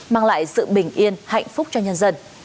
mang lại sự bình yên hạnh phúc cho nhân dân